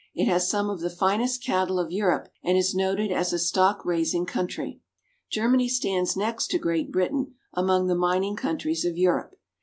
It has some of the finest cattle of Europe and is noted as a stock raising country. Germany stands next to Great Britain among the mining countries of Europe.